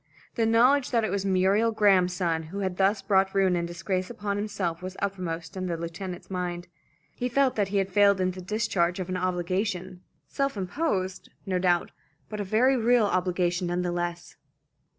The knowledge that it was Muriel Graham's son who had thus brought ruin and disgrace upon himself was uppermost in the lieutenant's mind. He felt that he had failed in the discharge of an obligation, self imposed, no doubt, but a very real obligation none the less.